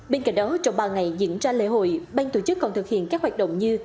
bên cạnh đó trong ba ngày diễn ra lễ hội ban tổ chức còn thực hiện các hoạt động như